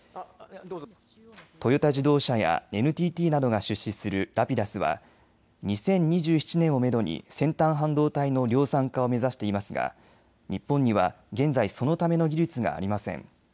トヨタ自動車やＮＴＴなどが出資するＲａｐｉｄｕｓは２０２７年をめどに先端半導体の量産化を目指していますが日本には現在、そのための技術がありません。